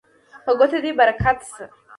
په ګوتو دې برکت شه